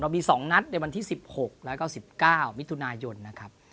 มี๒นัดในวันที่๑๖แล้วก็๑๙มิถุนายนนะครับ